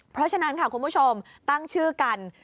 เพราะฉะนั้นค่ะคุณผู้ชมตั้งชื่อกัน